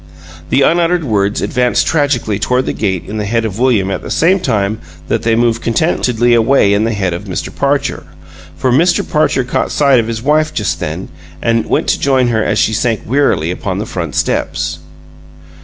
The unuttered words advanced tragically toward the gate in the head of William at the same time that they moved contentedly away in the head of Mr. Parcher; for Mr. Parcher caught sight of his wife just then, and went to join her as she sank wearily upon the front steps.